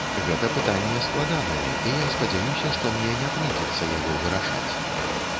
Гэта пытанне складанае, і я спадзяюся, што мне не прыйдзецца яго вырашаць.